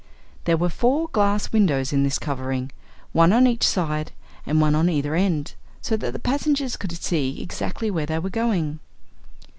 There were four glass windows in this covering, one on each side and one on either end, so that the passengers could see exactly where they were going.